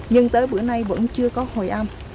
nhưng tới bữa nay vẫn chưa có hồi âm